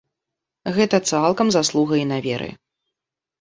Гэта цалкам заслуга інаверы.